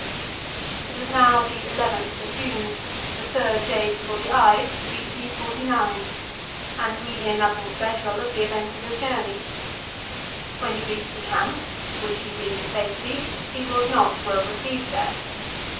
It was now the llth of June, the third day before the Ides, B.C. 49, and we hear nothing special of the events of his journey. When he reached the camp, which he did in safety, he was not well received there.